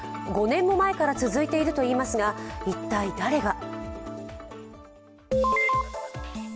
５年も前から続いているといいますが、一体誰が？